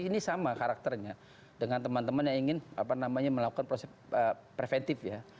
ini sama karakternya dengan teman teman yang ingin melakukan proses preventif ya